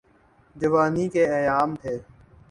جوانی کے ایام تھے۔